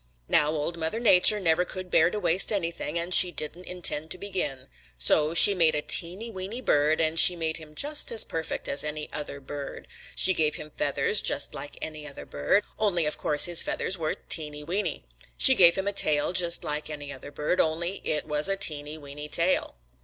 "Now Old Mother Nature never could bear to waste anything, and she didn't intend to begin. So she made a teeny, weeny bird and she made him just as perfect as any other bird. She gave him feathers just like any other bird, only of course his feathers were teeny, weeny. She gave him a tail just like any other bird, only it was a teeny, weeny tail.